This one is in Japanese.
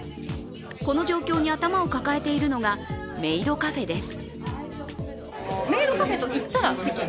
この状況に頭を抱えているのがメイドカフェです。